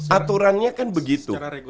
aturannya kan begitu